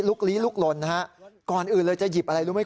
พระขู่คนที่เข้าไปคุยกับพระรูปนี้